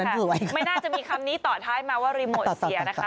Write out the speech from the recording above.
ไม่น่าจะมีคำนี้ต่อท้ายมาว่ารีโมทเสียนะคะ